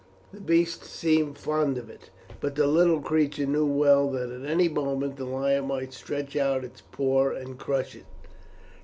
The beast seemed fond of it, but the little creature knew well that at any moment the lion might stretch out its paw and crush it."